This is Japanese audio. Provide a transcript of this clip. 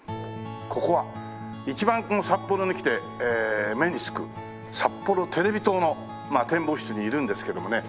ここは一番この札幌に来て目に付くさっぽろテレビ塔の展望室にいるんですけどもね。